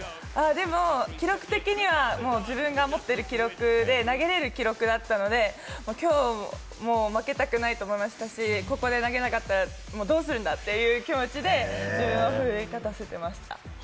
でも記録的には自分が持っている記録で投げれる記録だったので、きょうも負けたくないと思いましたし、ここで投げなかったら、どうするんだという気持ちで自分を奮い立たせていました。